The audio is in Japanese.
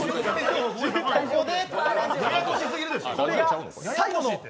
ヤバい、ややこしすぎるでしょ。